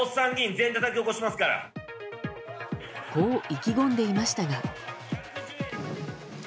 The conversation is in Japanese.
こう意気込んでいましたが。